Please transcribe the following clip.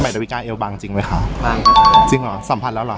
ใหม่ดาวิก้าเอวบางจริงไหมคะบางครับจริงเหรอสัมพันธ์แล้วเหรอค่ะ